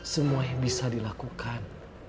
semua yang bisa dilakukan